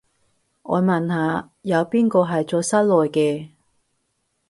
我問下，有邊個係做室內嘅